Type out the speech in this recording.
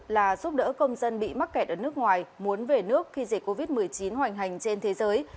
là giúp đỡ công dân bị mắc kẹt ở nước ngoài muốn về nước khi dịch covid một mươi chín hoành hành trên thế giới